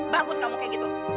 bagus kamu kayak gitu